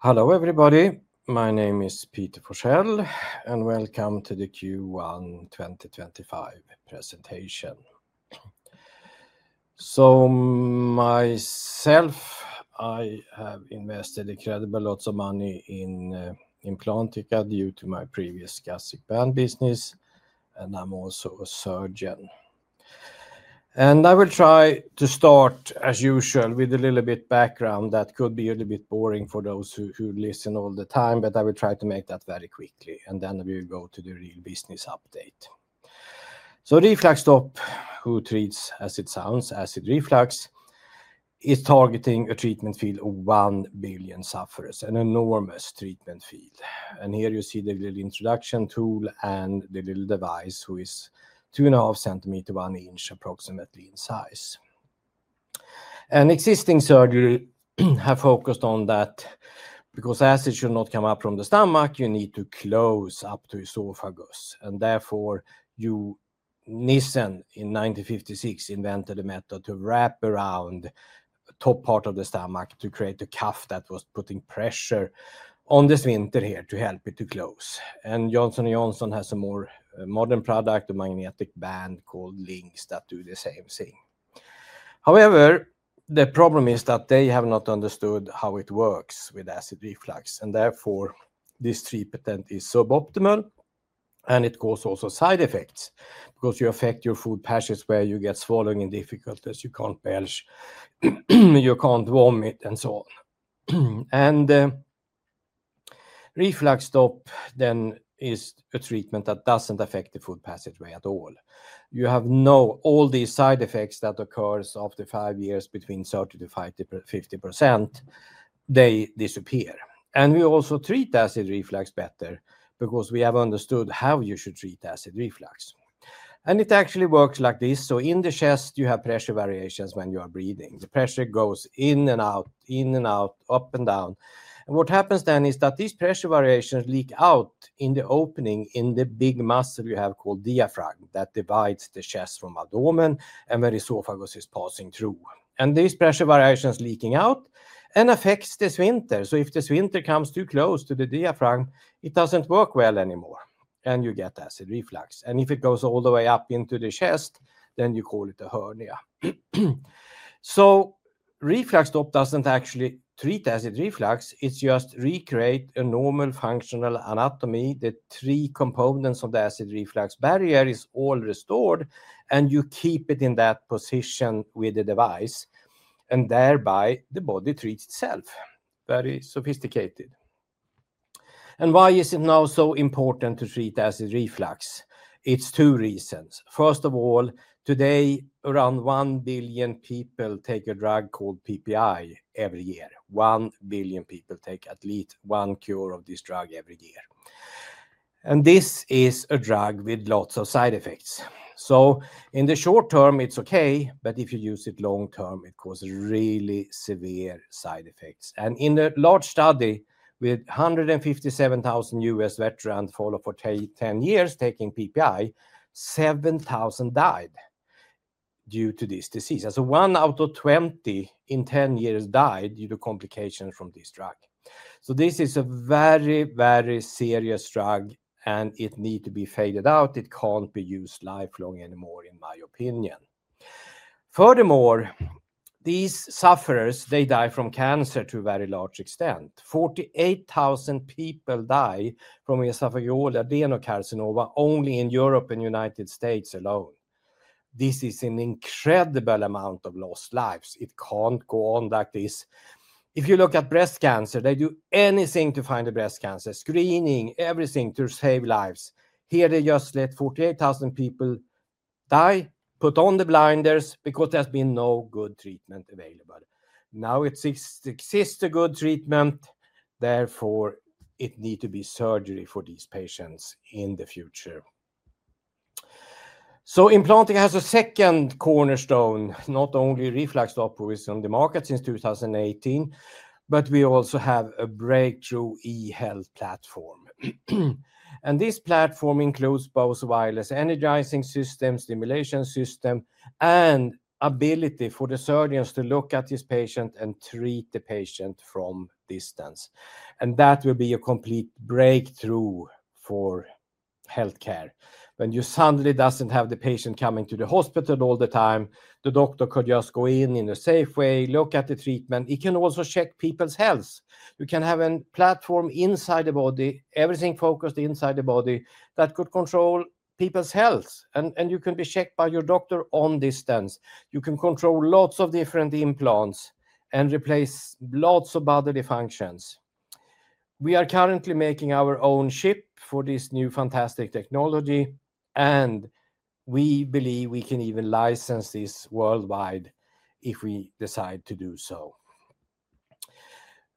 Hello everybody, my name is Peter Forsell, and welcome to the Q1 2025 presentation. Myself, I have invested a credible lot of money in Implantica due to my previous gastric band business, and I am also a surgeon. I will try to start, as usual, with a little bit of background that could be a little bit boring for those who listen all the time, but I will try to make that very quickly, and then we will go to the real business update. RefluxStop, who treats as it sounds, acid reflux, is targeting a treatment field of 1 billion sufferers, an enormous treatment field. Here you see the little introduction tool and the little device which is 2.5 centimeters, 1 inch approximately in size. An existing surgery has focused on that because acid should not come up from the stomach; you need to close up to the esophagus. Therefore, Nissen, in 1956, invented a method to wrap around the top part of the stomach to create a cuff that was putting pressure on the sphincter here to help it to close. Johnson & Johnson has a more modern product, a magnetic band called LINX that does the same thing. However, the problem is that they have not understood how it works with acid reflux, and therefore this treatment is suboptimal, and it causes also side effects because you affect your food passages where you get swallowing difficulties, you can't belch, you can't vomit, and so on. RefluxStop then is a treatment that doesn't affect the food passage way at all. You have no—all these side effects that occur after five years between 30-50%, they disappear. We also treat acid reflux better because we have understood how you should treat acid reflux. It actually works like this: in the chest, you have pressure variations when you are breathing. The pressure goes in and out, in and out, up and down. What happens then is that these pressure variations leak out in the opening in the big muscle you have called the diaphragm that divides the chest from abdomen and where the esophagus is passing through. These pressure variations leaking out affect the sphincter. If the sphincter comes too close to the diaphragm, it does not work well anymore, and you get acid reflux. If it goes all the way up into the chest, then you call it a hernia. RefluxStop does not actually treat acid reflux; it just recreates a normal functional anatomy. The three components of the acid reflux barrier are all restored, and you keep it in that position with the device, and thereby the body treats itself. Very sophisticated. Why is it now so important to treat acid reflux? It is two reasons. First of all, today around 1 billion people take a drug called PPI every year. 1 billion people take at least one cure of this drug every year. This is a drug with lots of side effects. In the short term, it is okay, but if you use it long term, it causes really severe side effects. In a large study with 157,000 U.S. veterans followed for 10 years taking PPI, 7,000 died due to this disease. One out of 20 in 10 years died due to complications from this drug. This is a very, very serious drug, and it needs to be faded out. It can't be used lifelong anymore, in my opinion. Furthermore, these sufferers, they die from cancer to a very large extent. 48,000 people die from esophageal adenocarcinoma only in Europe and the United States alone. This is an incredible amount of lost lives. It can't go on like this. If you look at breast cancer, they do anything to find a breast cancer screening, everything to save lives. Here they just let 48,000 people die, put on the blinders because there's been no good treatment available. Now it exists a good treatment; therefore, it needs to be surgery for these patients in the future. Implantica has a second cornerstone, not only RefluxStop, which is on the market since 2018, but we also have a breakthrough eHealth platform. This platform includes both wireless energizing systems, stimulation systems, and the ability for the surgeons to look at this patient and treat the patient from a distance. That will be a complete breakthrough for healthcare. When you suddenly do not have the patient coming to the hospital all the time, the doctor could just go in in a safe way, look at the treatment. It can also check people's health. You can have a platform inside the body, everything focused inside the body that could control people's health, and you can be checked by your doctor on distance. You can control lots of different implants and replace lots of other functions. We are currently making our own chip for this new fantastic technology, and we believe we can even license this worldwide if we decide to do so.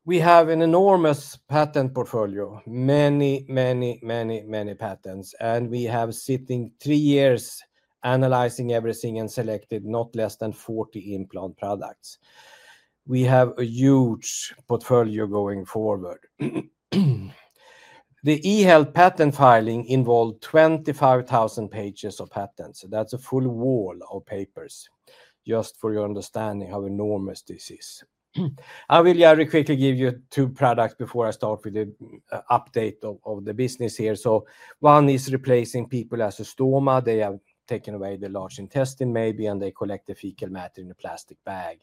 We have an enormous patent portfolio, many, many patents, and we have been sitting three years analyzing everything and selected not less than 40 implant products. We have a huge portfolio going forward. The e-health patent filing involved 25,000 pages of patents. That is a full wall of papers just for your understanding of how enormous this is. I will very quickly give you two products before I start with the update of the business here. One is replacing people who have a stoma. They have taken away the large intestine, maybe, and they collect the fecal matter in a plastic bag.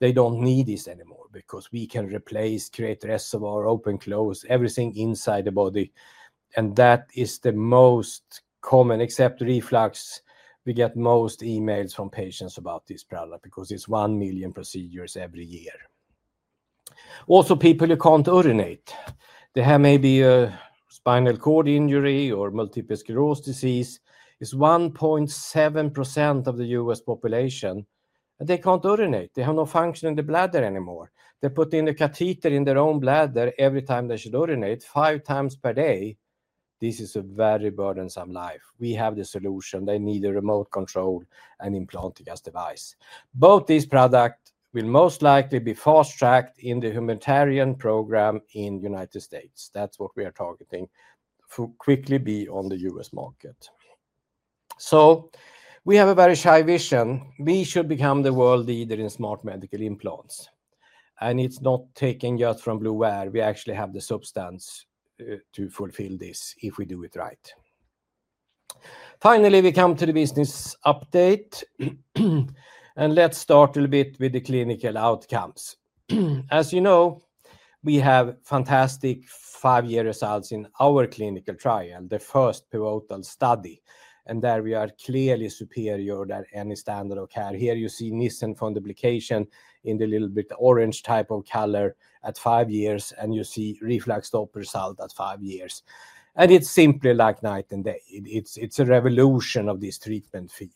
They do not need this anymore because we can replace, create a reservoir, open close, everything inside the body. That is the most common, except reflux. We get most emails from patients about this product because it's 1 million procedures every year. Also, people who can't urinate. They have maybe a spinal cord injury or multiple sclerosis disease. It's 1.7% of the U.S. population, and they can't urinate. They have no function in the bladder anymore. They put in a catheter in their own bladder every time they should urinate, five times per day. This is a very burdensome life. We have the solution. They need a remote control and Implantica's device. Both these products will most likely be fast-tracked in the humanitarian program in the United States. That is what we are targeting to quickly be on the U.S. market. We have a very shy vision. We should become the world leader in smart medical implants. It is not taken just from bluewater. We actually have the substance to fulfill this if we do it right. Finally, we come to the business update, and let's start a little bit with the clinical outcomes. As you know, we have fantastic five-year results in our clinical trial, the first pivotal study, and there we are clearly superior to any standard or care. Here you see Nissen fundoplication in the little bit orange type of color at five years, and you see RefluxStop result at five years. It's simply like night and day. It's a revolution of this treatment field.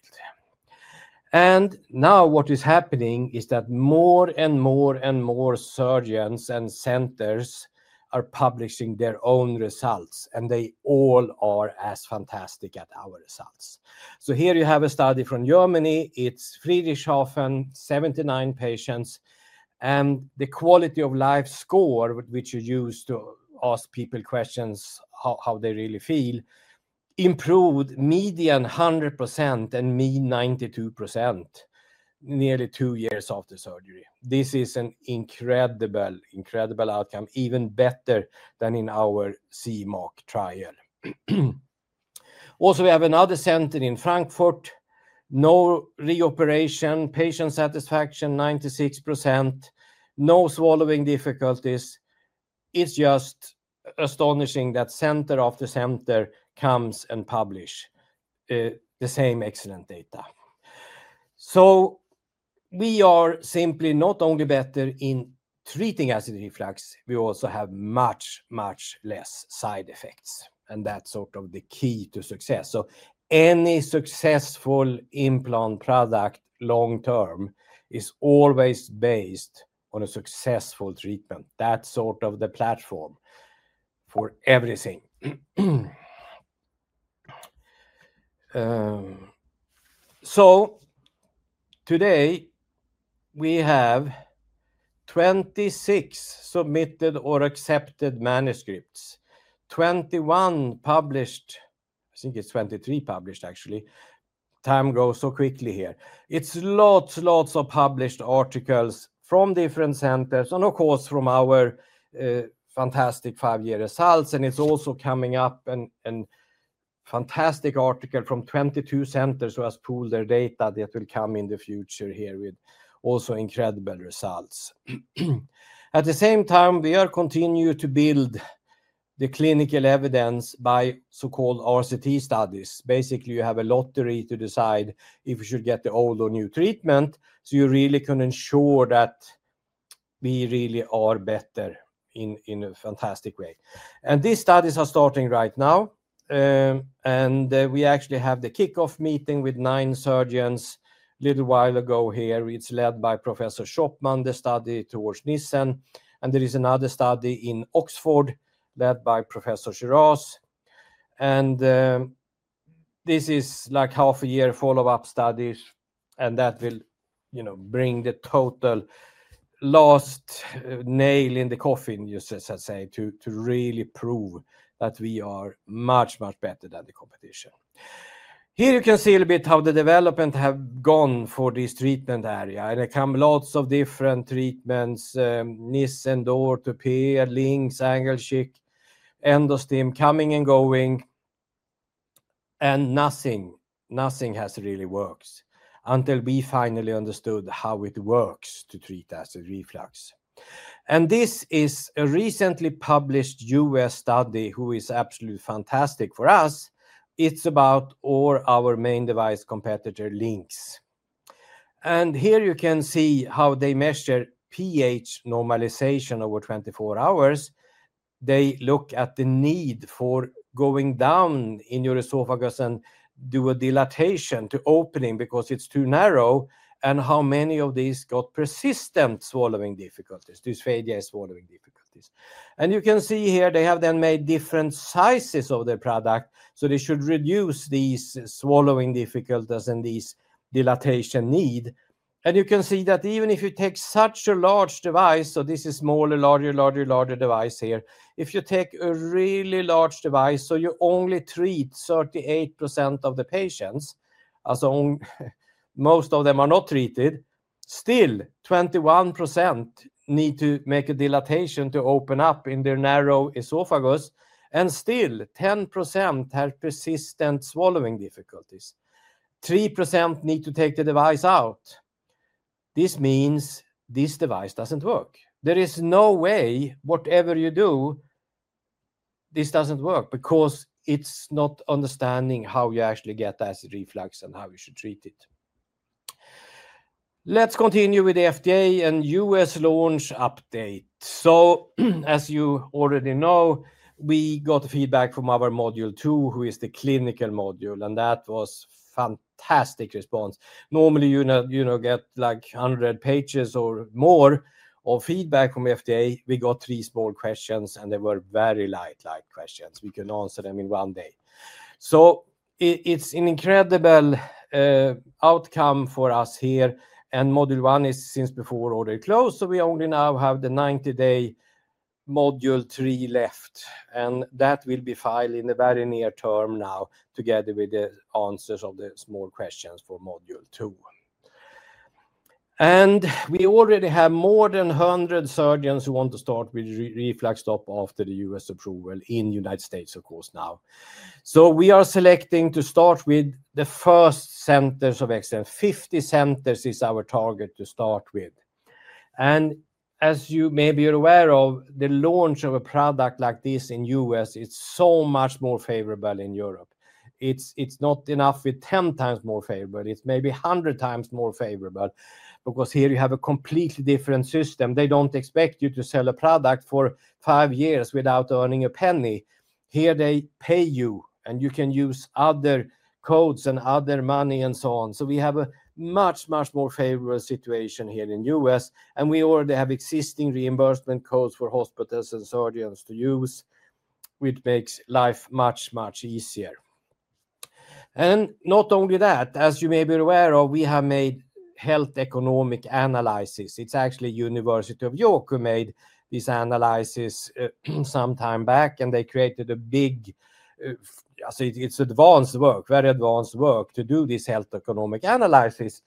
Now what is happening is that more and more and more surgeons and centers are publishing their own results, and they all are as fantastic as our results. Here you have a study from Germany. It's Friedrichshafen, 79 patients, and the quality of life score, which you use to ask people questions how they really feel, improved median 100% and mean 92% nearly two years after surgery. This is an incredible, incredible outcome, even better than in our CMOC trial. Also, we have another center in Frankfurt. No reoperation, patient satisfaction 96%, no swallowing difficulties. It's just astonishing that center after center comes and publishes the same excellent data. We are simply not only better in treating acid reflux, we also have much, much less side effects, and that's sort of the key to success. Any successful implant product long-term is always based on a successful treatment. That's sort of the platform for everything. Today we have 26 submitted or accepted manuscripts, 21 published, I think it's 23 published actually. Time goes so quickly here. It's lots, lots of published articles from different centers and of course from our fantastic five-year results, and it's also coming up a fantastic article from 22 centers who have pooled their data that will come in the future here with also incredible results. At the same time, we are continuing to build the clinical evidence by so-called RCT studies. Basically, you have a lot to read to decide if you should get the old or new treatment, so you really can ensure that we really are better in a fantastic way. These studies are starting right now, and we actually have the kickoff meeting with nine surgeons a little while ago here. It's led by Professor Schopman, the study towards Nissen, and there is another study in Oxford led by Professor Shiraz. This is like half a year follow-up studies, and that will bring the total last nail in the coffin, you should say, to really prove that we are much, much better than the competition. Here you can see a little bit how the development has gone for this treatment area. There come lots of different treatments, Nissen, DOR, TOUPET, LINX, Engelschick, EndoStim, coming and going, and nothing, nothing has really worked until we finally understood how it works to treat acid reflux. This is a recently published U.S. study who is absolutely fantastic for us. It's about our main device competitor, LINX. Here you can see how they measure pH normalization over 24 hours. They look at the need for going down in your esophagus and do a dilatation to opening because it's too narrow, and how many of these got persistent swallowing difficulties, dysphagia swallowing difficulties. You can see here they have then made different sizes of the product, so they should reduce these swallowing difficulties and this dilatation need. You can see that even if you take such a large device, so this is smaller, larger, larger, larger device here, if you take a really large device, so you only treat 38% of the patients, as most of them are not treated, still 21% need to make a dilatation to open up in their narrow esophagus, and still 10% have persistent swallowing difficulties. 3% need to take the device out. This means this device doesn't work. There is no way, whatever you do, this does not work because it is not understanding how you actually get acid reflux and how you should treat it. Let's continue with the FDA and US launch update. As you already know, we got feedback from our module two, which is the clinical module, and that was a fantastic response. Normally, you get like 100 pages or more of feedback from FDA. We got three small questions, and they were very light, light questions. We can answer them in one day. It is an incredible outcome for us here. Module one is since before order closed, so we only now have the 90-day module three left, and that will be filed in the very near term now together with the answers of the small questions for module two. We already have more than 100 surgeons who want to start with RefluxStop after the U.S. approval in the United States, of course, now. We are selecting to start with the first centers of excellence. 50 centers is our target to start with. As you may be aware of, the launch of a product like this in the U.S. is so much more favorable than in Europe. It is not enough with 10 times more favorable. It is maybe 100 times more favorable because here you have a completely different system. They do not expect you to sell a product for five years without earning a penny. Here they pay you, and you can use other codes and other money and so on. We have a much, much more favorable situation here in the U.S., and we already have existing reimbursement codes for hospitals and surgeons to use, which makes life much, much easier. Not only that, as you may be aware of, we have made health economic analysis. It's actually the University of York who made these analyses some time back, and they created a big, so it's advanced work, very advanced work to do this health economic analysis.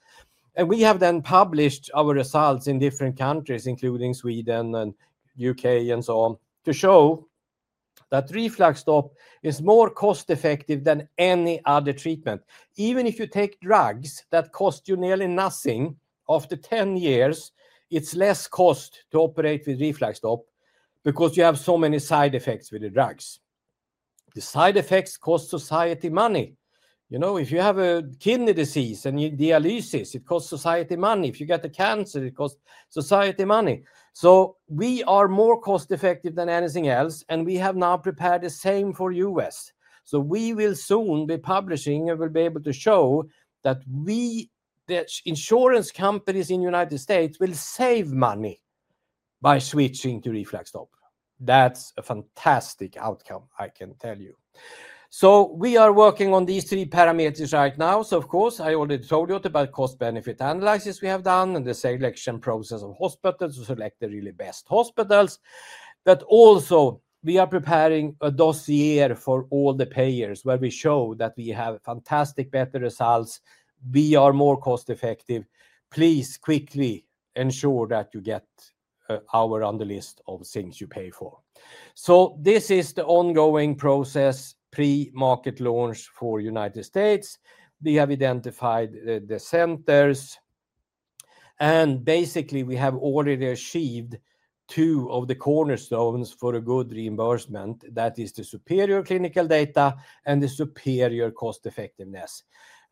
We have then published our results in different countries, including Sweden and the U.K. and so on, to show that RefluxStop is more cost-effective than any other treatment. Even if you take drugs that cost you nearly nothing, after 10 years, it's less cost to operate with RefluxStop because you have so many side effects with the drugs. The side effects cost society money. You know, if you have a kidney disease and you dialysis, it costs society money. If you get a cancer, it costs society money. We are more cost-effective than anything else, and we have now prepared the same for the U.S. We will soon be publishing and will be able to show that we, the insurance companies in the United States, will save money by switching to RefluxStop. That's a fantastic outcome, I can tell you. We are working on these three parameters right now. Of course, I already told you about cost-benefit analysis we have done and the selection process of hospitals to select the really best hospitals. Also, we are preparing a dossier for all the payers where we show that we have fantastic better results. We are more cost-effective. Please quickly ensure that you get our on the list of things you pay for. This is the ongoing process pre-market launch for the United States. We have identified the centers, and basically, we have already achieved two of the cornerstones for a good reimbursement. That is the superior clinical data and the superior cost-effectiveness.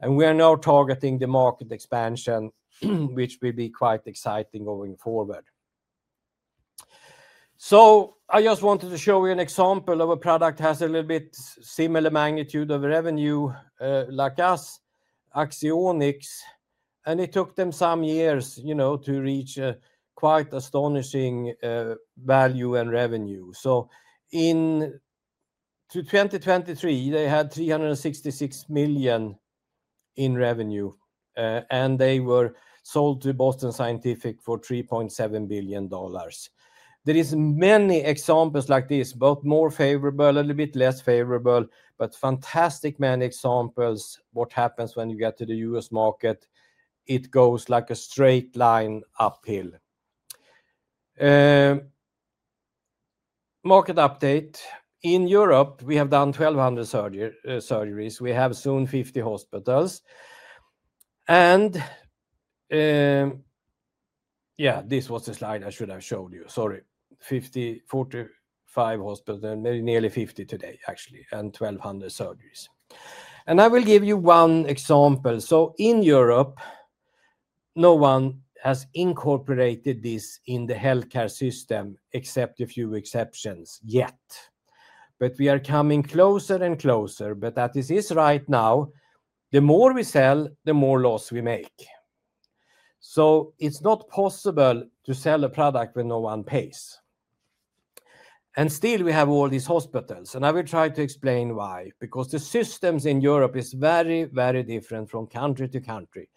We are now targeting the market expansion, which will be quite exciting going forward. I just wanted to show you an example of a product that has a little bit similar magnitude of revenue like us, Axonics. It took them some years, you know, to reach quite astonishing value and revenue. In 2023, they had $366 million in revenue, and they were sold to Boston Scientific for $3.7 billion. There are many examples like this, both more favorable, a little bit less favorable, but fantastic many examples of what happens when you get to the U.S. market. It goes like a straight line uphill. Market update. In Europe, we have done 1,200 surgeries. We have soon 50 hospitals. Yeah, this was the slide I should have showed you. Sorry. Forty-five hospitals, maybe nearly 50 today, actually, and 1,200 surgeries. I will give you one example. In Europe, no one has incorporated this in the healthcare system except a few exceptions yet. We are coming closer and closer. At this right now, the more we sell, the more loss we make. It is not possible to sell a product when no one pays. Still, we have all these hospitals. I will try to explain why, because the systems in Europe are very, very different from country to country.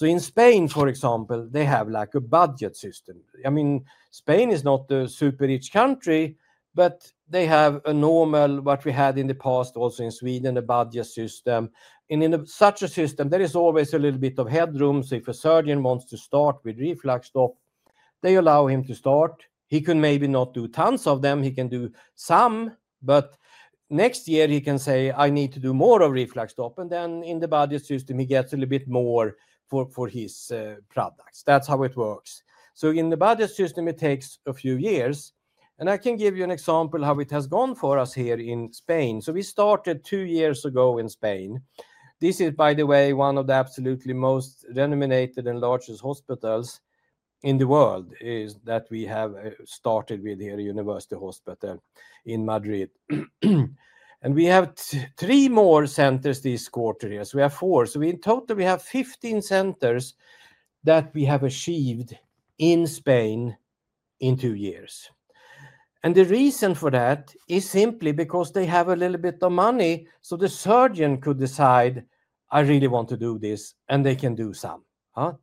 In Spain, for example, they have like a budget system. I mean, Spain is not a super rich country, but they have a normal, what we had in the past, also in Sweden, a budget system. In such a system, there is always a little bit of headroom. If a surgeon wants to start with RefluxStop, they allow him to start. He can maybe not do tons of them. He can do some, but next year he can say, "I need to do more of RefluxStop." In the budget system, he gets a little bit more for his products. That's how it works. In the budget system, it takes a few years. I can give you an example of how it has gone for us here in Spain. We started two years ago in Spain. This is, by the way, one of the absolutely most renominated and largest hospitals in the world that we have started with here at University Hospital in Madrid. We have three more centers this quarter here. We have four. In total, we have 15 centers that we have achieved in Spain in two years. The reason for that is simply because they have a little bit of money so the surgeon could decide, "I really want to do this," and they can do some.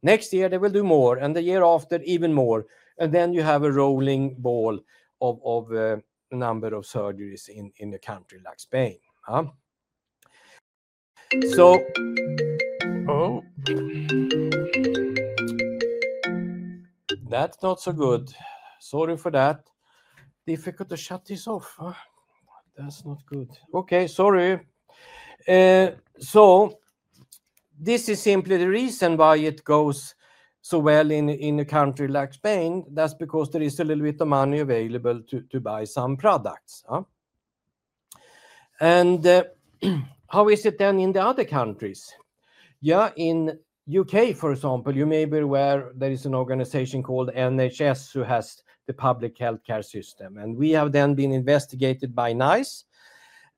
Next year, they will do more, and the year after, even more. You have a rolling ball of a number of surgeries in a country like Spain. Oh. That's not so good. Sorry for that. Difficult to shut this off. That's not good. Okay, sorry. This is simply the reason why it goes so well in a country like Spain. That's because there is a little bit of money available to buy some products. How is it then in the other countries? Yeah, in the U.K., for example, you may be aware there is an organization called NHS who has the public healthcare system. We have then been investigated by NICE.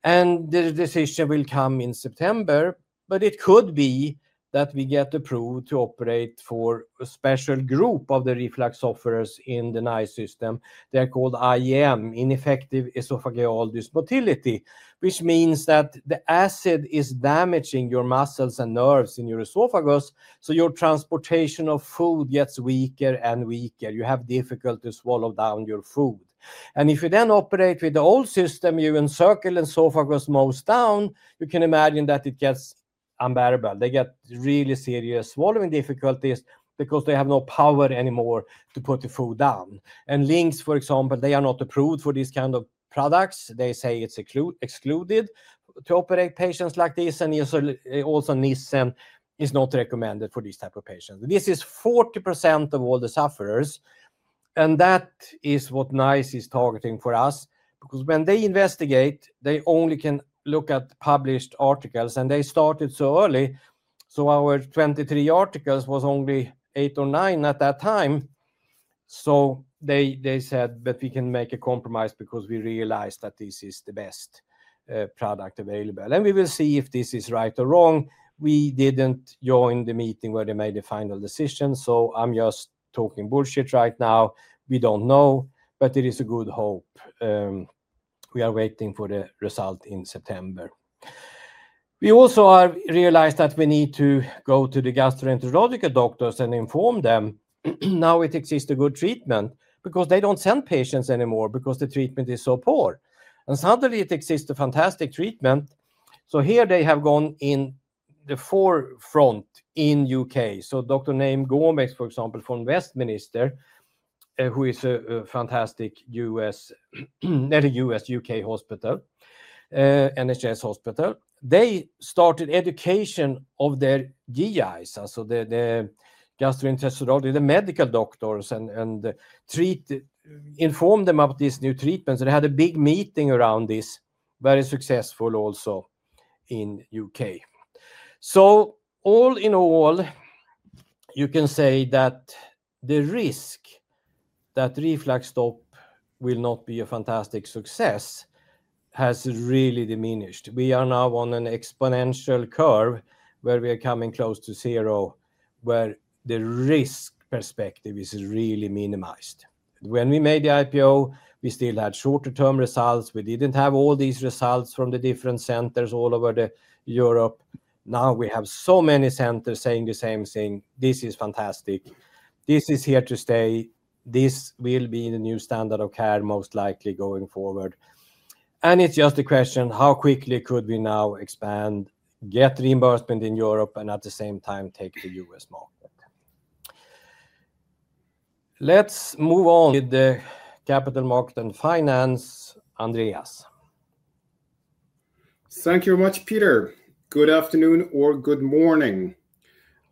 The decision will come in September. It could be that we get approved to operate for a special group of the reflux sufferers in the NICE system. They're called IEM, ineffective esophageal motility, which means that the acid is damaging your muscles and nerves in your esophagus, so your transportation of food gets weaker and weaker. You have difficulty swallowing down your food. If you then operate with the old system, you encircle the esophagus most down, you can imagine that it gets unbearable. They get really serious swallowing difficulties because they have no power anymore to put the food down. And LINX, for example, they are not approved for this kind of products. They say it is excluded to operate patients like this. Also, Nissen is not recommended for this type of patients. This is 40% of all the sufferers. That is what NICE is targeting for us because when they investigate, they only can look at published articles. They started so early. Our 23 articles was only eight or nine at that time. They said, "But we can make a compromise because we realized that this is the best product available." We will see if this is right or wrong. We did not join the meeting where they made the final decision. So I am just talking bullshit right now. We do not know, but it is a good hope. We are waiting for the result in September. We also have realized that we need to go to the gastroenterological doctors and inform them now it exists a good treatment because they do not send patients anymore because the treatment is so poor. Suddenly it exists a fantastic treatment. Here they have gone in the forefront in the U.K. Dr. Naim Gomez, for example, from Westminster, who is a fantastic U.K. hospital, NHS hospital, they started education of their GIs, so the gastrointestinal, the medical doctors, and informed them of this new treatment. They had a big meeting around this, very successful also in the U.K. All in all, you can say that the risk that RefluxStop will not be a fantastic success has really diminished. We are now on an exponential curve where we are coming close to zero, where the risk perspective is really minimized. When we made the IPO, we still had shorter-term results. We did not have all these results from the different centers all over Europe. Now we have so many centers saying the same thing. This is fantastic. This is here to stay. This will be the new standard of care most likely going forward. It is just a question of how quickly could we now expand, get reimbursement in Europe, and at the same time take the U.S. market. Let's move on. With the capital market and finance, Andreas. Thank you very much, Peter. Good afternoon or good morning.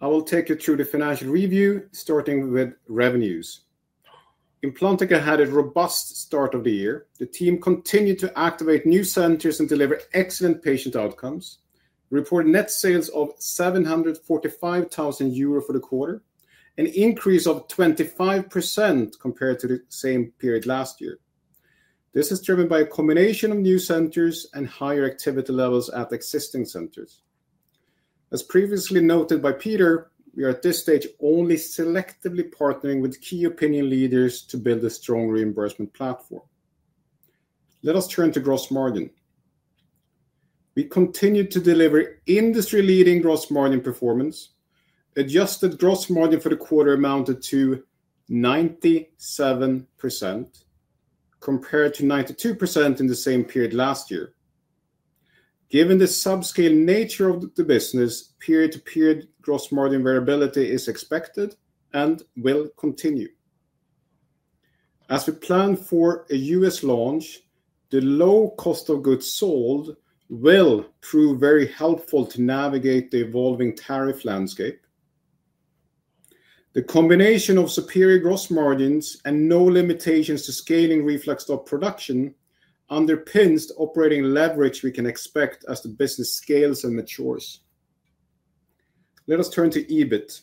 I will take you through the financial review, starting with revenues. Implantica had a robust start of the year. The team continued to activate new centers and deliver excellent patient outcomes, reporting net sales of 745,000 euro for the quarter, an increase of 25% compared to the same period last year. This is driven by a combination of new centers and higher activity levels at existing centers. As previously noted by Peter, we are at this stage only selectively partnering with key opinion leaders to build a strong reimbursement platform. Let us turn to gross margin. We continued to deliver industry-leading gross margin performance. Adjusted gross margin for the quarter amounted to 97% compared to 92% in the same period last year. Given the subscale nature of the business, period-to-period gross margin variability is expected and will continue. As we plan for a U.S. launch, the low cost of goods sold will prove very helpful to navigate the evolving tariff landscape. The combination of superior gross margins and no limitations to scaling RefluxStop production underpins the operating leverage we can expect as the business scales and matures. Let us turn to EBIT.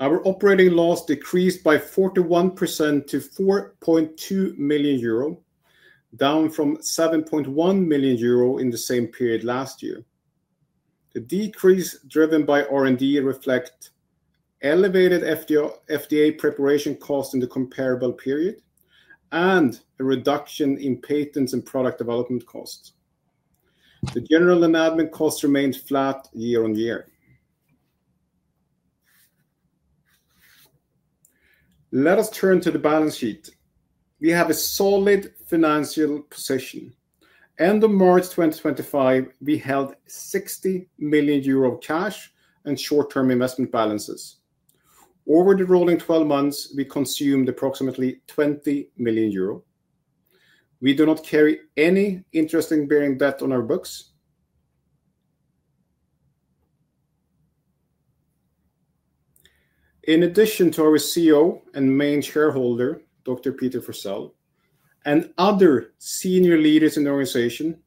Our operating loss decreased by 41% to 4.2 million euro, down from 7.1 million euro in the same period last year. The decrease driven by R&D reflects elevated FDA preparation costs in the comparable period and a reduction in patents and product development costs. The general and admin costs remained flat year-on-year. Let us turn to the balance sheet. We have a solid financial position. End of March 2025, we held 60 million euro cash and short-term investment balances. Over the rolling 12 months, we consumed approximately 20 million euro. We do not carry any interest-bearing debt on our books. In addition to our CEO and main shareholder, Dr. Peter Forsell, and other senior leaders in the organization,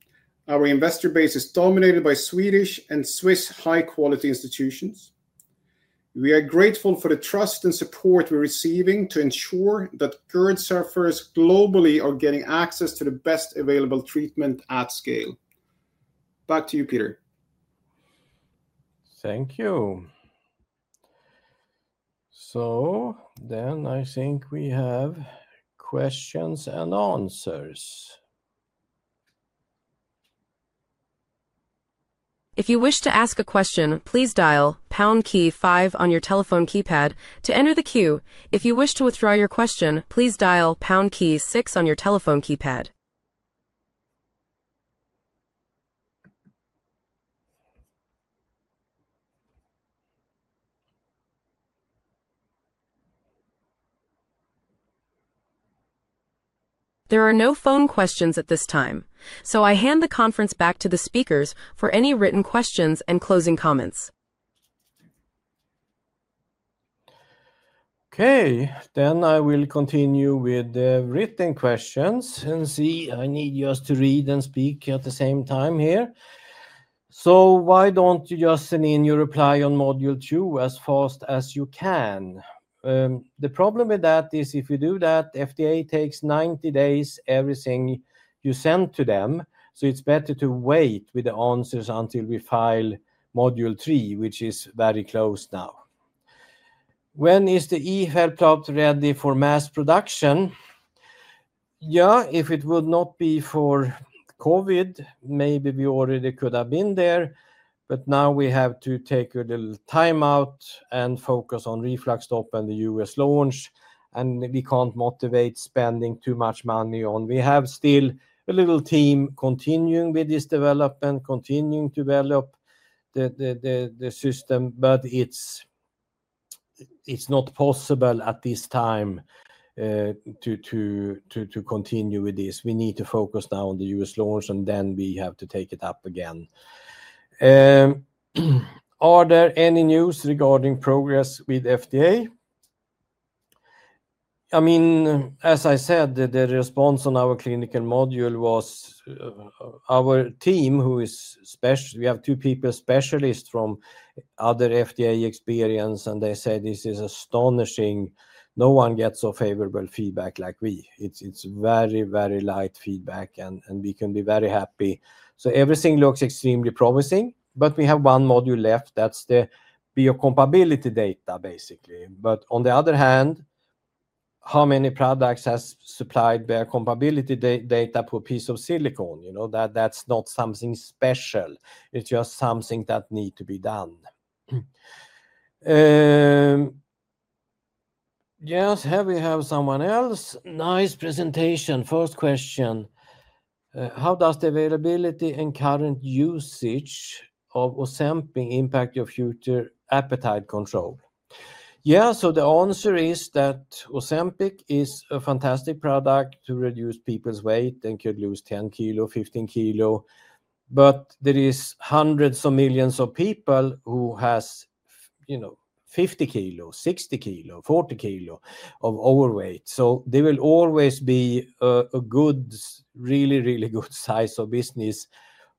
our investor base is dominated by Swedish and Swiss high-quality institutions. We are grateful for the trust and support we're receiving to ensure that GERD sufferers globally are getting access to the best available treatment at scale. Back to you, Peter. Thank you. I think we have questions and answers. If you wish to ask a question, please dial pound key five on your telephone keypad to enter the queue. If you wish to withdraw your question, please dial pound key six on your telephone keypad. There are no phone questions at this time, so I hand the conference back to the speakers for any written questions and closing comments. Okay, then I will continue with the written questions and see. I need you to read and speak at the same time here. Why don't you just send in your reply on module two as fast as you can? The problem with that is if you do that, FDA takes 90 days for everything you send to them. It is better to wait with the answers until we file module three, which is very close now. When is the eHealth platform ready for mass production? If it would not be for COVID, maybe we already could have been there. We have to take a little time out and focus on RefluxStop and the U.S. launch. We cannot motivate spending too much money on it. We have still a little team continuing with this development, continuing to develop the system. It is not possible at this time to continue with this. We need to focus now on the US launch, and then we have to take it up again. Are there any news regarding progress with FDA? I mean, as I said, the response on our clinical module was our team who is special. We have two people specialists from other FDA experience, and they said this is astonishing. No one gets so favorable feedback like we. It is very, very light feedback, and we can be very happy. Everything looks extremely promising. We have one module left. That is the biocompatibility data, basically. On the other hand, how many products have supplied biocompatibility data per piece of silicone? That is not something special. It is just something that needs to be done. Yes, here we have someone else. Nice presentation. First question. How does the availability and current usage of Ozempic impact your future appetite control? Yeah, so the answer is that Ozempic is a fantastic product to reduce people's weight and could lose 10 kilos, 15 kilos. There are hundreds of millions of people who have 50 kilos, 60 kilos, 40 kilos of overweight. There will always be a good, really, really good size of business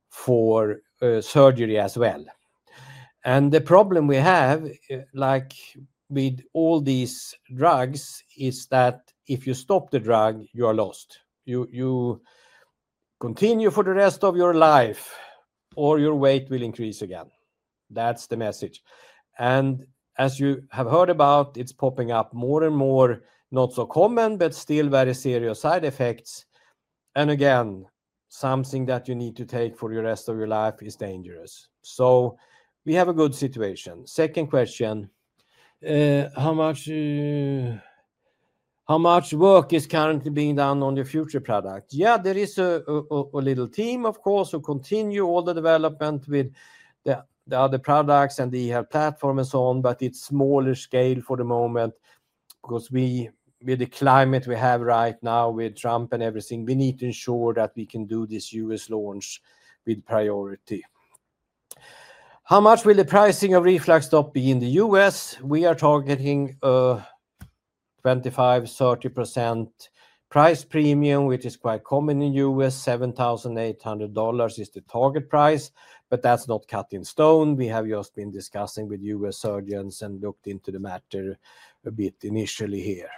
for surgery as well. The problem we have, like with all these drugs, is that if you stop the drug, you are lost. You continue for the rest of your life, or your weight will increase again. That's the message. As you have heard about, it's popping up more and more, not so common, but still very serious side effects. Again, something that you need to take for the rest of your life is dangerous. We have a good situation. Second question. How much work is currently being done on your future product? Yeah, there is a little team, of course, who continue all the development with the other products and the eHELP platform and so on, but it's smaller scale for the moment because with the climate we have right now with Trump and everything, we need to ensure that we can do this U.S. launch with priority. How much will the pricing of RefluxStop be in the U.S.? We are targeting a 25%-30% price premium, which is quite common in the U.S. $7,800 is the target price, but that's not cut in stone. We have just been discussing with U.S. surgeons and looked into the matter a bit initially here.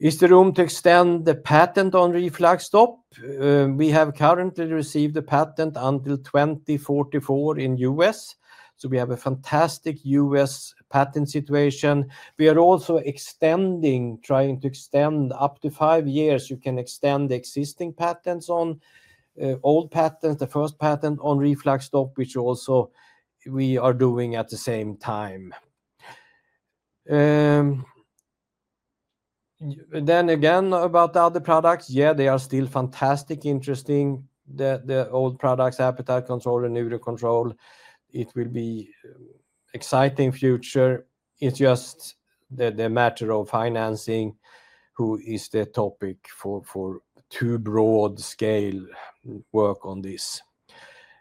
Is there room to extend the patent on RefluxStop? We have currently received the patent until 2044 in the U.S. We have a fantastic U.S. patent situation. We are also trying to extend up to five years. You can extend the existing patents on old patents, the first patent on RefluxStop, which also we are doing at the same time. Again, about the other products, yeah, they are still fantastic, interesting, the old products, appetite control, and neuro control. It will be an exciting future. It's just the matter of financing who is the topic for too broad scale work on this.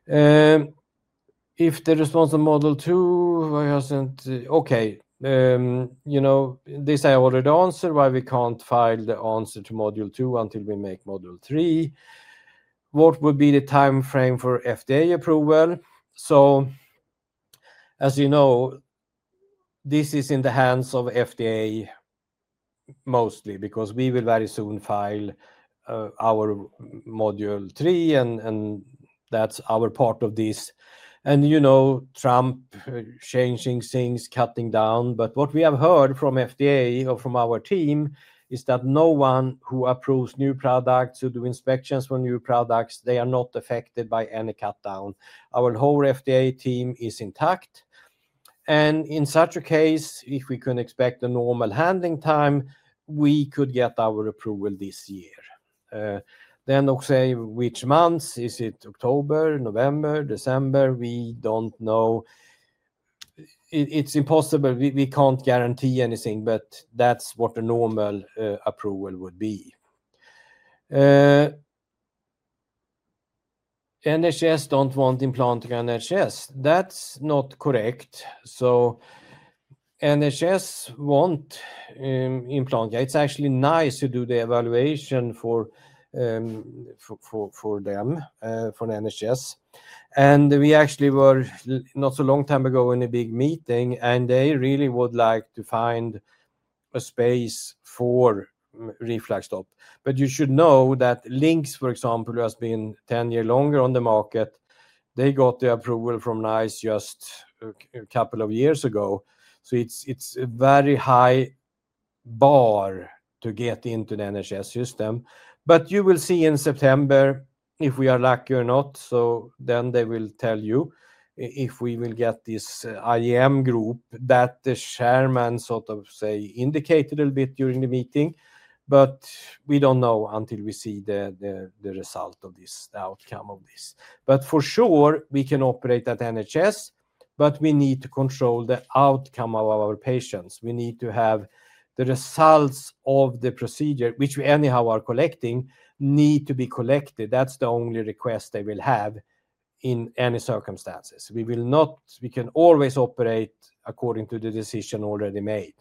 If the response on module two, I wasn't okay. This I already answered why we can't file the answer to module two until we make module three. What would be the time frame for FDA approval? As you know, this is in the hands of FDA mostly because we will very soon file our module three, and that's our part of this. You know, Trump changing things, cutting down. What we have heard from FDA or from our team is that no one who approves new products or does inspections for new products, they are not affected by any cutdown. Our whole FDA team is intact. In such a case, if we can expect a normal handling time, we could get our approval this year. I'll say which months is it? October, November, December? We don't know. It's impossible. We can't guarantee anything, but that's what a normal approval would be. NHS don't want Implantica NHS. That's not correct. NHS want Implantica. It's actually NICE to do the evaluation for them for NHS. We actually were not so long time ago in a big meeting, and they really would like to find a space for RefluxStop. You should know that LINX, for example, has been 10 years longer on the market. They got the approval from NICE just a couple of years ago. It is a very high bar to get into the NHS system. You will see in September if we are lucky or not. They will tell you if we will get this IEM group that the chairman sort of, say, indicated a little bit during the meeting. We do not know until we see the result of this, the outcome of this. For sure, we can operate at NHS, but we need to control the outcome of our patients. We need to have the results of the procedure, which we anyhow are collecting, need to be collected. That is the only request they will have in any circumstances. We can always operate according to the decision already made.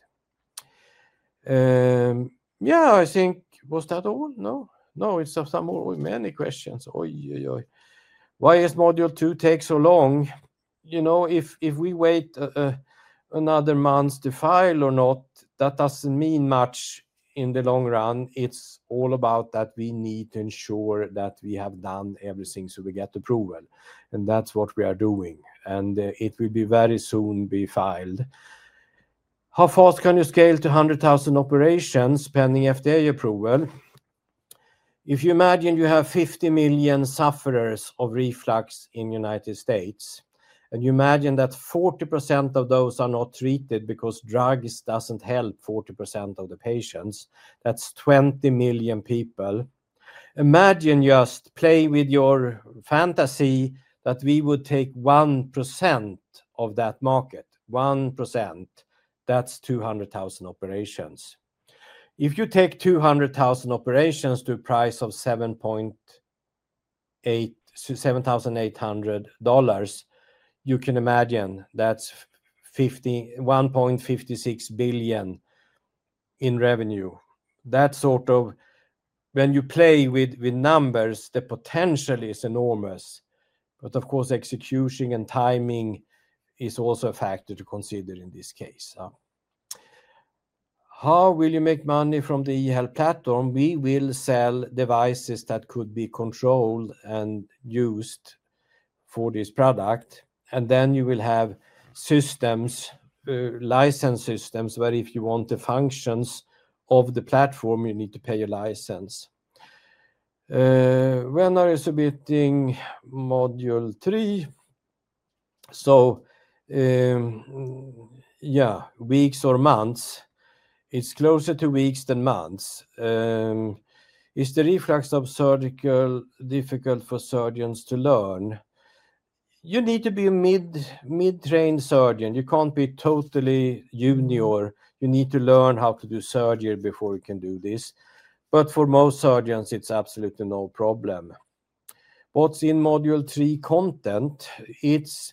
Yeah, I think was that all? No. No, it's so many questions. Oy, oy, oy. Why does module two take so long? You know, if we wait another month to file or not, that doesn't mean much in the long run. It's all about that we need to ensure that we have done everything so we get approval. That is what we are doing. It will very soon be filed. How fast can you scale to 100,000 operations pending FDA approval? If you imagine you have 50 million sufferers of reflux in the United States, and you imagine that 40% of those are not treated because drugs do not help 40% of the patients, that's 20 million people. Imagine, just play with your fantasy, that we would take 1% of that market, 1%. That's 200,000 operations. If you take 200,000 operations to a price of $7,800, you can imagine that's 1.56 billion in revenue. That sort of, when you play with numbers, the potential is enormous. Of course, execution and timing is also a factor to consider in this case. How will you make money from the eHELP platform? We will sell devices that could be controlled and used for this product. Then you will have systems, license systems, where if you want the functions of the platform, you need to pay a license. When are you submitting module three? So yeah, weeks or months. It's closer to weeks than months. Is the RefluxStop surgical difficult for surgeons to learn? You need to be a mid-trained surgeon. You can't be totally junior. You need to learn how to do surgery before you can do this. For most surgeons, it's absolutely no problem. What's in module three content? It's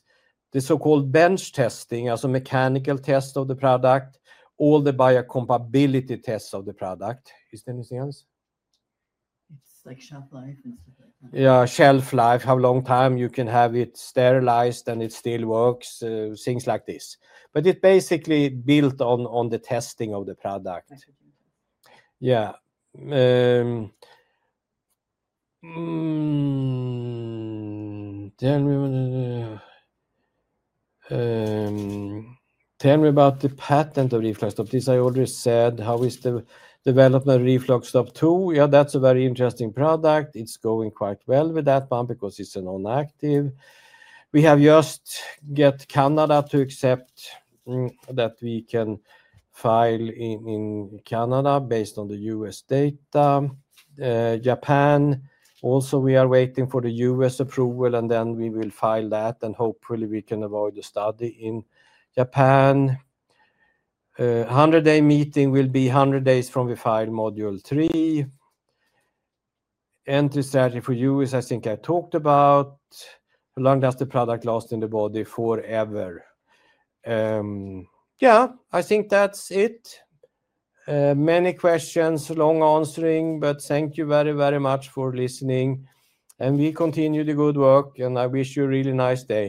the so-called bench testing, as a mechanical test of the product, all the biocompatibility tests of the product. Is there any sense? It's like shelf life and stuff like that. Yeah, shelf life, how long time you can have it sterilized and it still works, things like this. But it's basically built on the testing of the product. Yeah. Tell me about the patent of RefluxStop. This I already said. How is the development of RefluxStop 2? Yeah, that's a very interesting product. It's going quite well with that one because it's a non-active. We have just got Canada to accept that we can file in Canada based on the US data. Japan, also we are waiting for the US approval, and then we will file that, and hopefully we can avoid the study in Japan. 100-day meeting will be 100 days from we file module three. Entry strategy for US, I think I talked about. How long does the product last in the body? Forever. Yeah, I think that's it. Many questions, long answering, but thank you very, very much for listening. We continue the good work, and I wish you a really nice day.